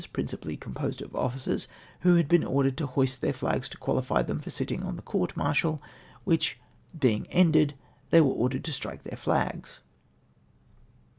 principally composed of officers who had been ordered to hoist then flags to qualify them for sitting on the court martial, which, being ended, they were ordered again to strike theii" flags